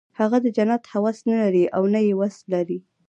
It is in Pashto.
هغه د جنت هوس نه لري او نه یې وس لري